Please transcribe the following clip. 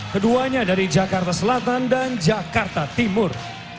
keduanya dari jakarta selatan dan jakarta timur